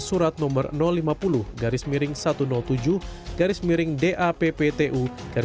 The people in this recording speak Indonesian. surat no lima puluh satu ratus tujuh dapptu sepuluh dua ribu enam belas